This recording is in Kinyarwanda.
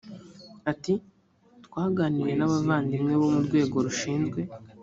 ati twaganiriye n abavandimwe bo mu rwego rushinzwe